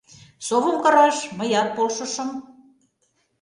Совым кыраш мыят полшышым.